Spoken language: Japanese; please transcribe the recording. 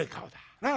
なあ。